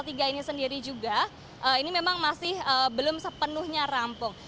terminal tiga ini sendiri juga ini memang masih belum sepenuhnya rampung